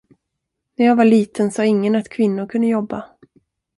När jag var liten sa ingen att kvinnor kunde jobba.